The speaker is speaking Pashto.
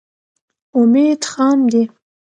امید خاندي.